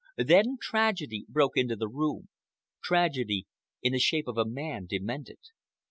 Then tragedy broke into the room, tragedy in the shape of a man demented.